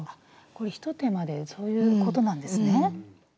これひと手間でそういうことなんですね。